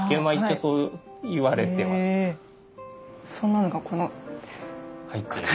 そんなのがこの刀に。